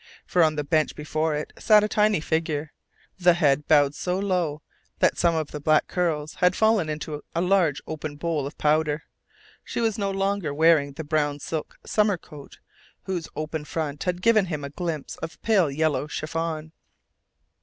For on the bench before it sat a tiny figure, the head bowed so low that some of the black curls had fallen into a large open bowl of powder. She was no longer wearing the brown silk summer coat whose open front had given him a glimpse of pale yellow chiffon.